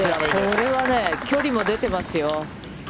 これは距離も出ていますよ。